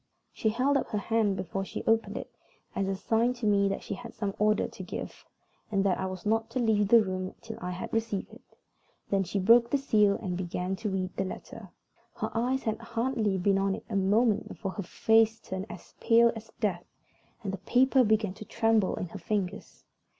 She held up her hand before she opened it as a sign to me that she had some order to give, and that I was not to leave the room till I had received it. Then she broke the seal and began to read the letter. Her eyes had hardly been on it a moment before her face turned as pale as death, and the paper began to tremble in her fingers.